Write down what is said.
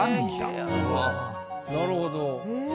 なるほど。